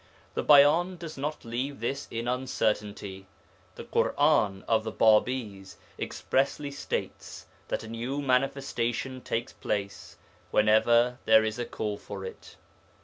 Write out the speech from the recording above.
The Bayan does not leave this in uncertainty. The Ḳur'an of the Bābīs expressly states that a new Manifestation takes place whenever there is a call for it (ii.